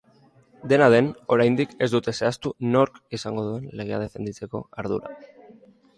Dena den, oraindik ez dute zehaztu nork izango duen legea defenditzeko ardura.